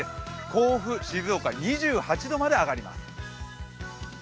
甲府、静岡、２８度まで上がります。